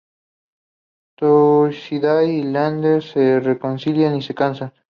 Thursday y Landen se reconcilian y se casan.